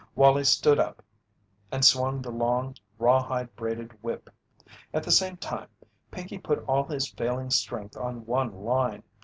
Wallie stood up and swung the long rawhide braided whip. At the same time Pinkey put all his failing strength on one line.